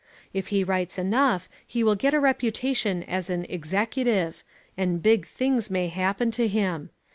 If he writes enough he will get a reputation as an "executive," and big things may happen to him.